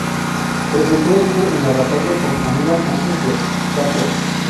Resultó herido en la batalla con Aníbal antes de Capua.